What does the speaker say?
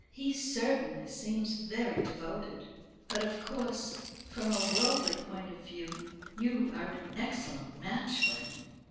"He certainly seems very devoted. But, of course, from a worldly point of view, you are an excellent match for him."